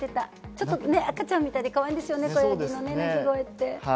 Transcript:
ちょっと赤ちゃんみたいで、かわいいですね、子ヤギの鳴き声って。